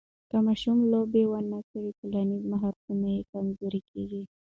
که ماشوم لوبې ونه کړي، ټولنیز مهارتونه یې کمزوري کېږي.